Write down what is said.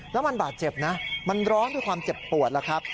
แล้วมันบาดเจ็บนะมันร้องด้วยความเจ็บปวดแล้วครับ